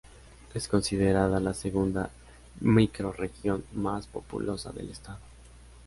Es considerada la segunda microrregión más populosa del Estado.